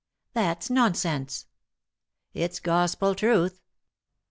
"That's nonsense." " It's gospel truth.